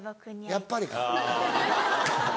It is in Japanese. やっぱりか。